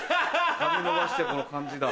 髪伸ばしてこの感じだ。